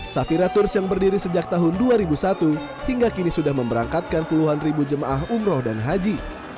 safira turs yang berdiri sejak tahun dua ribu satu hingga kini sudah memberangkatkan puluhan ribu jemaah umroh dan haji